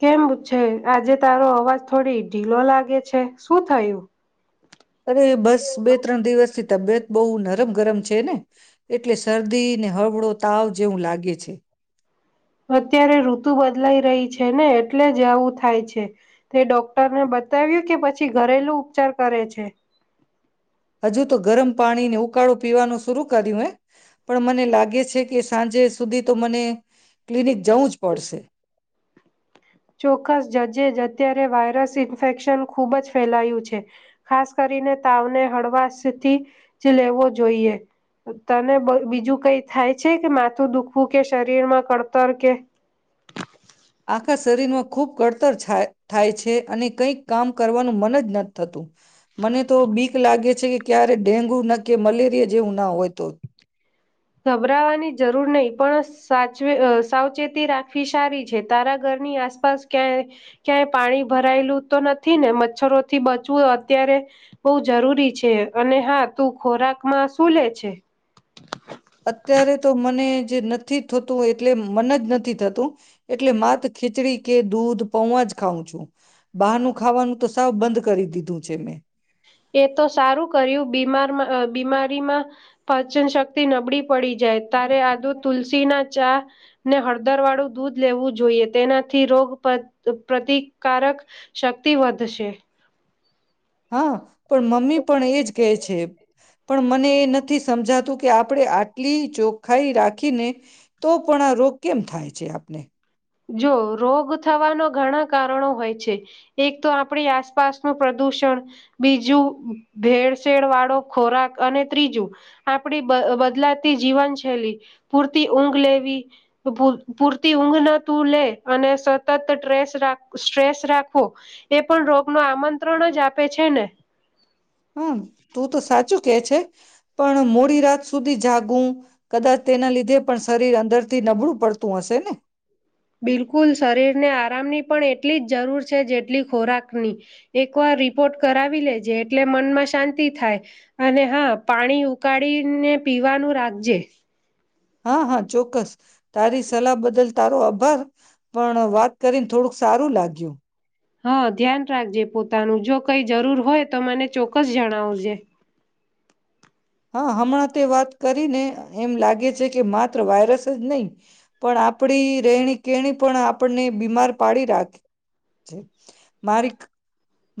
કેમ છે આજે તારો અવાજ થોડી ઢીલો લાગે છે શું થયું? અરે બસ બે ત્રણ દિવસ થી તબિયત બહુ નરમ ગરમ છે ને એટલે શરદી ને હળવળો તાવ જેવું લાગે છે. અત્યારે ઋતુ બદલાઈ રહી છે ને એટલે જ આવું થાય છે તે ડોક્ટરને બતાવ્યું કે પછી ઘરેલું ઉપચાર કરે છે. હજુ તો ગરમ પાણીને ઉકાળું પીવાનું શરૂ કર્યું હે પણ મને લાગે છે કે સાંજે સુધી તો મને ક્લિનિક જવું જ પડશે. ચોક્કસ જજે જ અત્યારે વાયરસ ઇન્ફેક્શન ખૂબ જ ફેલાયું છે ખાસ કરીને તાવને હળવાશ થી જ લેવો જોઈએ તને બીજું કઈ થાય છે કે માથું દુખવું કે શરીરમાં કડતર કે આખા શરીરમાં ખૂબ કડતર છાય થાય છે અને કંઈક કામ કરવાનું મન જ ન થતું મને તો બીક લાગે છે કે ક્યારે ડેન્ગુ ન કે મલેરિયા જેવું ના હોય તો ગભરાવાની જરૂર નહી પણ સાચવે સાવચેતી રાખવી સારી છે તારા ઘરની આસપાસ ક્યાંય ક્યાંય પાણી ભરાયેલું તો નથી ને મચ્છરોથી બચવું અત્યારે બહુ જરૂરી છે અને હા તું ખોરાકમાં શું લે છે? અત્યારે તો મને જે નથી થતું એટલે મન જ નથી થતું. એટલે માત ખીચડી કે દૂધ પોવા જ ખઉં છું બહારનું ખાવાનું તો સાવ બંધ કરી દીધું છે મેં. એ તો સારું કર્યું બીમાર બીમાર બીમારીમાં પાચન શક્તિ નબળી પડી જાય તારે આદુ તુલસી ના ચા. ને હળદર વાળું દૂધ લેવું જોઈએ તેનાથી રોગ પ્રતિ પ્રતિકારક શક્તિ વધશે. હા પણ મમ્મી પણ એજ કેય છે પણ મને એ નથી સમજાતું કે આપણે આટલી ચોખ્ખાઈ રાખીને તો પણ આ રોગ કેમ થાય છે આપને? જો. રોગ થવાનો ઘણા કારણો હોય છે એક તો આપણી આસપાસનું પ્રદૂષણ બીજું ભેળસેળ વાળો ખોરાક અને ત્રીજું આપણી બા બદલાતી જીવન શૈલી પૂરતી ઊંઘ લેવી પૂરતી ઊંઘ ન તું લે અને સતત ટ્રેસ સ્ટ્રેસ રાખવો એ પણ રોગ નો આમંત્રણ જ આપે છે ને. હા તું તો સાચું કે છે પણ મોડી રાત. સુધી જાગું કદાચ તેના લીધે પણ શરીર અંદર થી નબળું પડતું હશે ને? બિલકુલ. હા હા ચોક્કસ તારી સલાહ બદલ તારો આભા હા ધ્યાન રાખજે પોતાનું જો કઈ જરૂર હોય તો મને ચોક્કસ જણાવજે. હા હમણાં તે વાત કરીને એમ લાગે છે કે માત્ર વાયરસ જ નહીં પણ આપણી રહેણી કેણી પણ આપણને બીમાર પાડી રાખે છે. મારી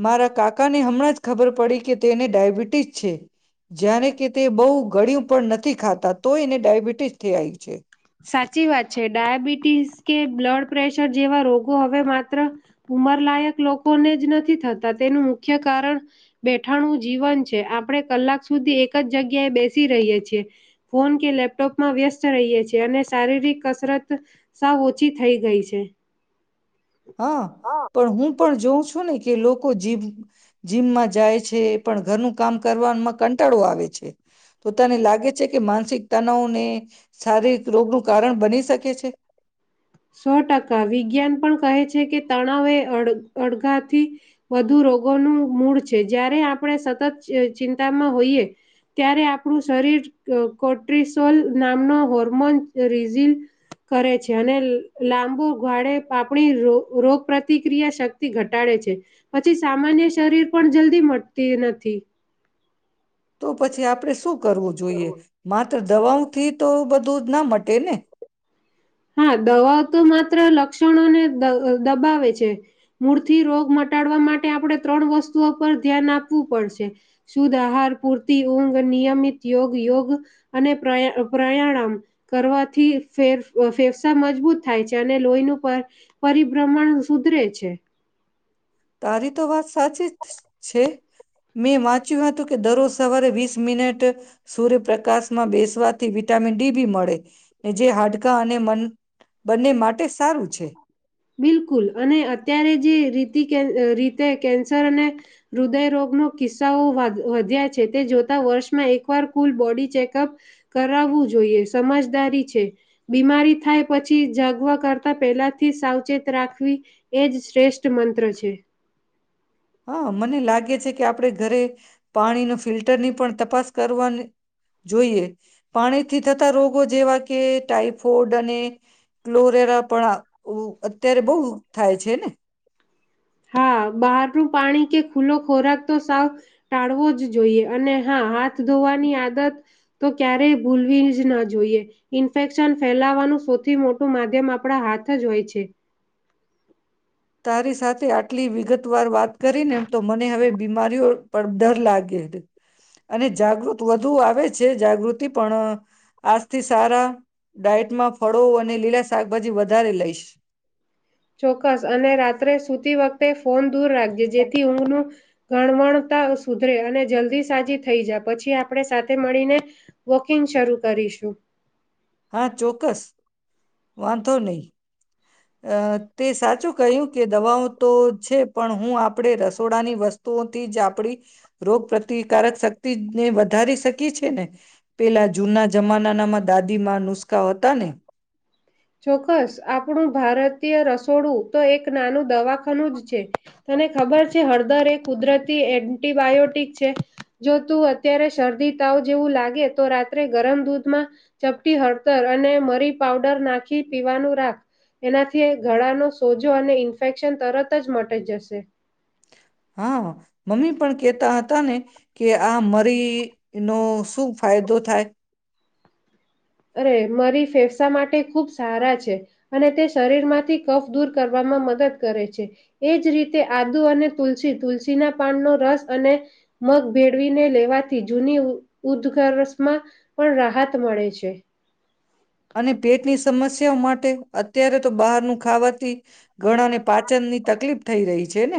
મારા કાકા ને હમણાં જ ખબર પડી કે તેને ડાયાબિટીસ છે જ્યારે બહુ ગળ્યું પણ નથી ખાતા તો એને ડાયાબિટીસ થઈ આવી છે. સાચી વાત છે, ડાયાબિટીસ કે બ્લડ પ્રેશર જેવા રોગો હવે માત્ર ઉંમરલાયક લોકોને જ નથી થતા તેનું મુખ્ય કારણ બેઠાણું જીવન છે આપણે કલાક સુધી એક જ જગ્યાએ બેસી રહીએ છીએ ફોન કે લેપટોપમાં વ્યસ્ત રહીએ છી અને શારીરિક કસરત સાવ ઓછી થઈ ગઈ છે. હા પણ હું પણ જોઉં છું ને કે લોકો જીમ જીમમાં જાય છે પણ ઘરનું કામ કરવાવામાં કંટાળો આવે છે તો તને લાગે છે કે માનસિક તનાવને શારીરિક રોગનું કારણ બની શકે છે? સો ટકા વિજ્ઞાન પણ કહે છે કે તણાવ એ અ અડધાથી વધુ રોગોનું મૂળ છે જ્યારે આપણે સતત ચ ચિંતામાં હોઈએ ત્યારે આપણું શરીર કોર્ટિસોલ નામનો હોર્મોન રિઝીલ કરે છે અને લાંબો ગાળે આપણી રો રોગ પ્રતિક્રિયા શક્તિ ઘટાડે છે પછી સામાન્ય શરીર પણ જલ્દી મટતી નથી. તો પછી આપણે શું કરવું જોઈએ મા તો દવાઓથી તો બધું જ ના મટે ને? હા દવાઓ તો માત્ર લક્ષણોને દ દબાવે છે મૂળથી રોગ મટાડવા માટે આપણે ત્રણ વસ્તુઓ પર ધ્યાન આપવું પડશે શુદ્ધ આહાર, પૂરતી ઊંઘ, નિયમિત યોગ-યોગ અને પ્ર પ્રયાણામ કરવાથી ફેર ફેફસા મજબૂત થાય છે અને લોહીનું પર પરિભ્રમણ સુધરે છે. તારી તો વાત સાચી જ છે મેં વાંચ્યું હતું કે દરરોજ સવારે વીસ મિનિટ સૂર્યપ્રકાશમાં બેસવાથી વિટામિન ડી બી મળે જે હાડકા અને મન બંને માટે સારું છે. બિલકુલ અને અત્યારે જે રીતી રીતે કેન્સર અને હૃદયરોગનો કિસ્સાઓ વા વધ્યા છે તે જોતા વર્ષમાં એકવાર કુલ બોડી ચેકઅપ કરાવવું જોઈએ સમજદારી છે બીમારી થાય પછી જાગવા કરતા પહેલાથી સાવ ચેત રાખવી એજ શ્રેષ્ઠ મંત્ર છે. હા મને લાગે છે કે આપણે ઘરે પાણીનો ફિલ્ટરની પણ તપાસ કરવાની જોઈએ પાણીથી થતા રોગો જેવા કે ટાઈફોઇડ અને ક્લોરેરા પણ અત્યારે બહુ થાય છે ને? હા, બહારનું પાણી કે ખુલ્લો ખોરાક તો સાવ ટાળવો જ જોઈએ અને હા, હાથ ધોવાની આદત તો ક્યારેય ભૂલવી જ ન જોઈએ ઇન્ફેક્શન ફેલાવાનું સૌથી મોટું માધ્યમ આપણા હાથ જ હોય છે. તારી સાથે આટલી વિગત વાર વાત કરીને તો મને હવે બીમારીઓ પણ ડર લાગે અને જાગૃત વધુ આવે છે જાગૃતિ પણ આજથી સારા ડાયટમાં ફળો અને લીલા શાકભાજી વધારે લઈશ. ચોક્કસ અને રાત્રે સુતી વખતે ફોન દૂર રાખજે જેથી ઊંઘનું ગણવણતા સુધરે અને જલ્દી સાજી થઈ જા પછી આપણે સાથે મળીને વોકિંગ શરૂ કરીશું. હા ચોક્કસ વાંધો નહીં. અ તે સાચું કહ્યું કે દવાઓ તો છે પણ હું આપણે રસોડાની વસ્તુઓથી જ આપડી રોગપ્રતિકારક શક્તિને વધારી શકીએ છે ને? પેલા જૂના જમાનામાં દાદીમાં નુસકા હતા ને! ચોક્કસ આપણું ભારતીય રસોડું તો એક નાનું દવાખાનું જ છે તને ખબર છે હળદર એ કુદરતી એન્ટિબાયોટિક છે, જો તું અત્યારે શરદી તાવ જેવું લાગે તો રાત્રે ગરમ દૂધમાં ચપટી હળદર અને મરી પાવડર ના ખી પીવાનું રાખ એનાથી ગળાનો સોજો અને ઇન્ફેક્શન તરત જ મટી જશે. હા, મમ્મી પણ કેતા હતા ને કે આ મરી નો શું ફાયદો થાય? અરે, મરી ફેફસા માટે ખૂબ સારા છે અને તે શરીરમાંથી કફ દૂર કરવામાં મદદ કરે છે એજ રીતે આદુ અને તુલસી તુલસીના પાનનો રસ અને મગ ભેળવીને લેવાથી જૂની ઉદઘર્ષમાં પણ રાહત મળે છે. અને પેટની સમસ્ યાઓ માટે અત્યારે તો બહારનું ખાવાથી ઘણાને પાચનની તકલીફ થઈ રહી છે ને?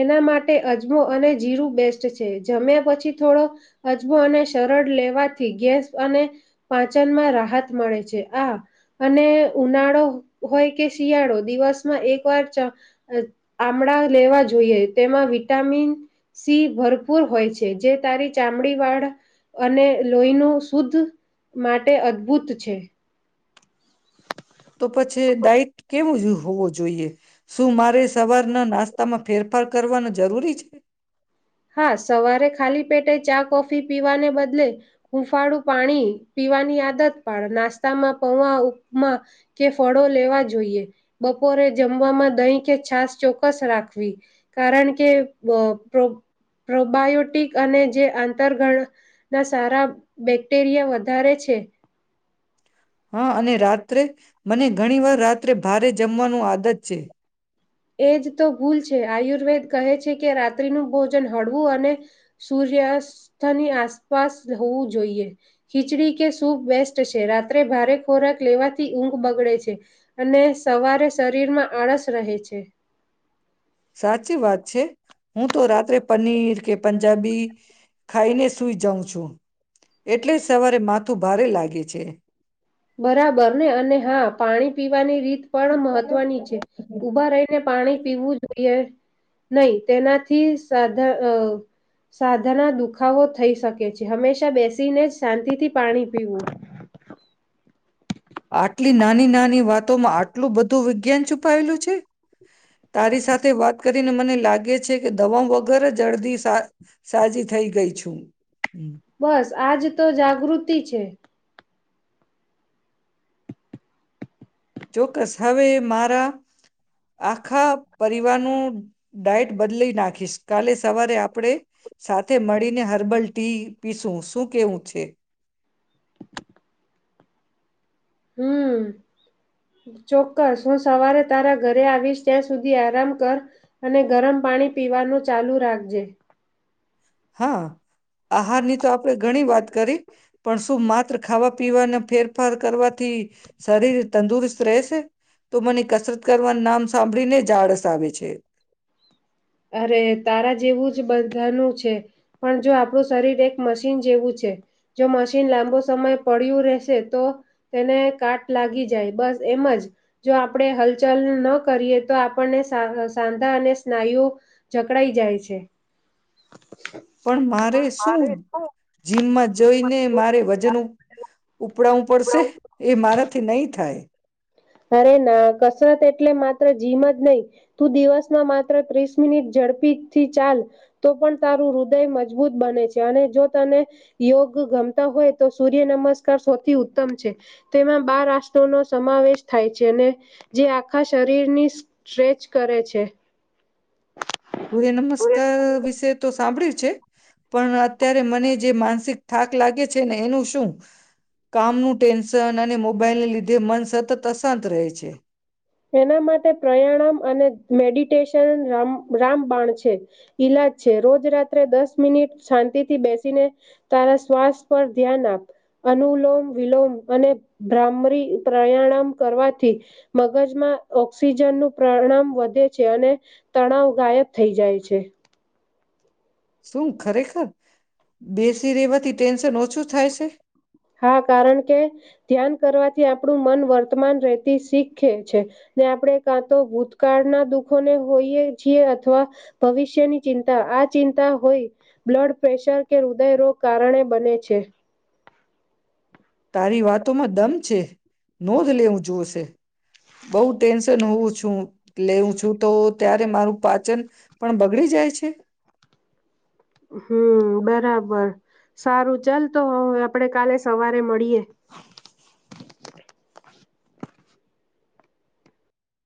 એના માટે અજમો અને જીરું બેસ્ટ છે જમ્યા પછી થોડો અજમો અને સરળ લેવાથી ગેસ અને પાચનમાં રાહત મળે છે આ અને ઉનાળો હોય કે શિયાળો દિવસમાં એક જ વાર આમળા લેવા જો જોઈએ તેમાં વિટામિન સી ભરપૂર હોય છે જે તારી ચામડી, વાળ અને લોહીનું શુદ્ધ માટે અદભુત છે. તો પછી ડાઇટ કેવું હોવો જોઈએ? શું મારે સવારના નાસ્તામાં ફેરફાર કરવાનો જરૂરી છે? હા સવારે ખાલી પેટે ચા, કોફી પીવાને બદલે હૂંફાળું પાણી પીવાની આદત પાડ નાસ્તામાં પૌવા, ઉપમા કે ફળો લેવા જોઈએ બપોરે જમવામાં દહીં કે છાસ ચોક્કસ રાખવી કારણ કે પ્રોબાયોટિક અને જે આંતરગણના સારા બેક્ટેરિયા વધારે છે. હા અને રાત્રે? મને ઘણી વાર રા ત્રે ભારે જમવાનું આદત છે. એજ તો ભૂલ છે, આયુર્વેદ કહે છે કે રાત્રિનું ભોજન હળવું અને સૂર્યાસ્તની આસપાસ હોવું જોઈએ ખીચડી કે સૂપ બેસ્ટ છે રાત્રે ભારે ખોરાક લેવાથી ઊંઘ બગડે છે અને સવારે શરીરમાં આળસ રહે છે. છે. સાચી વાત છે. હું તો રાત્રે પનીર કે પંજાબી ખાઈને સુઈ જાઉં છું એટલે સવારે માથું ભારે લાગે છે. બરાબર ને અને હા પાણી પીવાની રીત પણ મહત્વની છે ઊભા રહીને પાણી પીવું જોઈએ નહીં તેનાથી સાધા અ સાધાના દુખાવો થઈ શકે છે હંમેશા બેસીને જ શાંતિથી પાણી પીવું. આટલી નાની-નાની વાત માં આટલું બધું વિજ્ઞાન! છુપાયેલું છે તારી સાથે વાત કરીને મને લાગે છે કે દવા વગર અડધી સાજી થઈ ગઈ છું. હમ્મ. બસ આજ તો જાગૃતિ છે. ચોક્કસ હવે મારા આખા પરિવારનું ડાઈટ બદલી નાખીશ. કાલે સવારે આપણેે સાથે મળીને હર્બલ ટી પીસું શું કેવું છે? હમ્મ ચોક્કસ હું સવારે તારા ઘરે આવીશ ત્યાં સુધી આરામ કર અને ગરમ પાણી પીવાનું ચાલુ રાખજે. હા આહારની તો આપણે ઘણી વાત કરી પણ શું માત્ર ખાવા પીવાને ફેરફાર કરવા થી શરીર તંદુરસ્ત રહેશે તો મને કસરત કરવાનું નામ સાંભળીને જ આળસ આવે છે. અરે, તારા જેવું જ બધાનું છે પણ જો આપણું શરીર એક મશીન જેવું છે જો મશીન લાંબો સમય પડયું રહેશે તો તેને કાટ લાગી જાય બસ એમ જ જો આપણે હલચલ ન કરીએ તો આપણને સા સાંધા અને સ્નાયુઓ જકડાઈ જાય છે. પણ મારે શું જીમમાં જઈને મારે વજન ઉપડાવું હ પડશે એ મારાથી નહીં થાય. અરે ના કસરત એટલે માત્ર જીમ જ નહીં તું દિવસમાં માત્ર ત્રીસ મિનિટ ઝડપીથી ચાલ તો પણ તારું હૃદય મજબૂત બને છે અને જો તને યોગ ગમતા હોય તો સૂર્યનમસ્કાર સૌથી ઉત્તમ છે તેમાં બાર આસનોનો નો સમાવેશ થાય છે જે આખા શરીરની સ્ટ્રેચ કરે છે. સૂર્યનમસ્કાર વિશે તો સાંભળ્યું છે પણ અત્યારે મને જે માનસિક થાક લાગે છે ને એનું શું? કામનું ટેન્શન અને મોબાઈલને લીધે મન સતત અશાંત રહે છે. એના માટે પ્રયાણમ અને મેડિટેશન રામ રામબાણ છે ઈલાજ છે રોજ રાત્રે દસ મિનિટ શાંતિથી બેસીને તારા શ્વાસ પર ધ્યાન આપ અનુલોમ વિલોમ અને ભ્ર્મરી પ્રયાણમ કરવાથી. મગજમાં ઓક્સિજનનું પરણામ વધે છે અને તણાવ ગાયબ થઈ જાય છે. શું ખરેખર બેસી રેવાથી ટેન્શન ઓછું થાય છે. હા કારણ કે ધ્યાન કરવાથી આપણું મન વર્તમાન રહેતી શીખે છે ને આપણે કાં તો ભૂતકાળના દુઃખોને હોઈએ છીએ અથવા ભવિષ્યની ચિંતા આ ચિંતા હોય બ્લડ પ્રેશર કે હૃદયરોગ કારણે બને છે. તારી વાતોમાં દમ છે નોંધ લેવું જોવું છે. બઉુ ટેન્શન હોવું છ. [inaudible] એટલે હું છું તો ત્યારે મારું પાચન પણ બગડી જાય છે. હમ બરાબર સારું ચાલ તો હવે આપડે કાલે સવારે મળીએે.